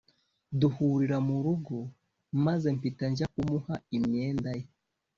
Duhurira mu rugo maze mpita njya kumuha imyenda ye